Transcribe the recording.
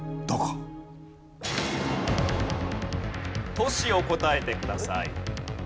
都市を答えてください。